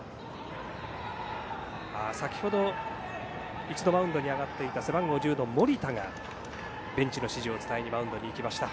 先ほど一度マウンドに上がっていた背番号１０の森田がベンチの指示を伝えにマウンドに行きました。